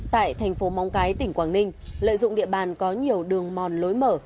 tại thành phố móng cái tỉnh quảng ninh lợi dụng địa bàn có nhiều đường mòn lối mở